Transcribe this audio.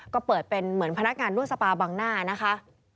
ก็เปิดเป็นเหมือนพนักงานนวดสปาบังหน้านะคะ